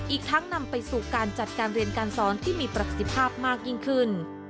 อีกทั้งนำไปสู่การจัดการเรียนการสอนที่มีประสิทธิภาพมากยิ่งขึ้น